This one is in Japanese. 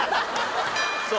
そう。